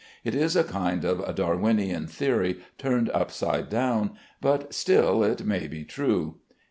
It is a kind of Darwinian theory turned upside down, but still it may be true.